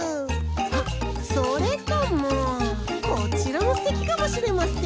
あっそれともこちらもすてきかもしれません。